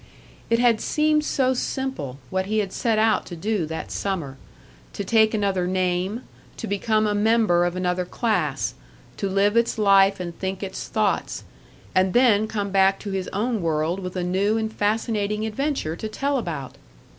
It had seemed so simple, what he had set out to do that summer: to take another name, to become a member of another class, to live its life and think its thoughts, and then come back to his own world with a new and fascinating adventure to tell about!